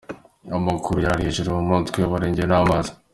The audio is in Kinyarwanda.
Amaguru yari ari hejuru, umutwe we warengewe n’amazi.